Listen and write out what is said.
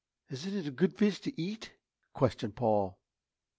"Isn't it a good fish to eat?" questioned Paul.